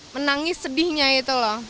menangis sedihnya itu loh